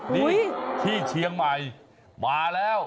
นี่ที่เชียงใหม่มาแล้ว